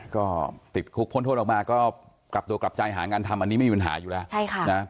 ก็ติดคุกพ้นโทษออกมาก็กลับตัวกลับใจหางานทำอันนี้ไม่มีปัญหาอยู่แล้ว